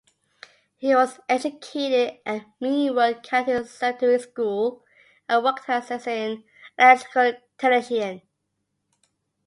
He was educated at Meanwood County Secondary School and worked as an electrical technician.